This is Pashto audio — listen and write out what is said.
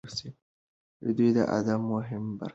دواړه د ادب مهمې برخې دي.